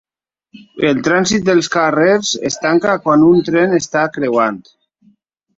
El trànsit dels carrers es tanca quan un tren està creuant.